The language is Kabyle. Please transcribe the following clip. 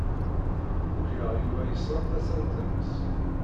Ugaɣ Yuba yesṛuḥ tasarut-nnes.